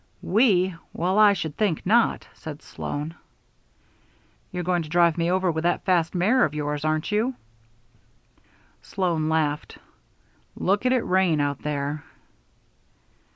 "We! Well, I should think not!" said Sloan. "You're going to drive me over with that fast mare of yours, aren't you?" Sloan laughed. "Look at it rain out there."